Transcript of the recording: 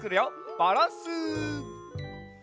バランス！